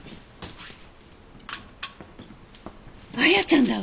亜矢ちゃんだわ！